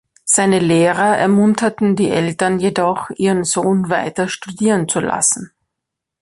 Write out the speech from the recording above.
Seine Lehrer ermunterten die Eltern jedoch, ihren Sohn weiter studieren zu lassen.